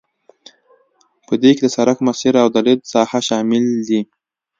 په دې کې د سرک مسیر او د لید ساحه شامل دي